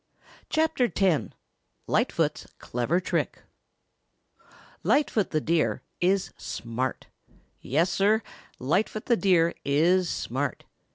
CHAPTER X LIGHTFOOT'S CLEVER TRICK Lightfoot the Deer is smart. Yes, Sir, Lightfoot the Deer is smart.